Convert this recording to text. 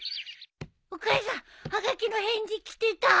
お母さんはがきの返事来てた？